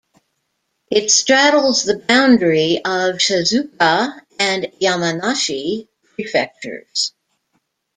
It straddles the boundary of Shizuoka and Yamanashi Prefectures.